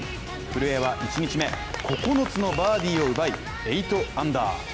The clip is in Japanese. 古江は１日目、９つのバーディーを奪い８アンダー。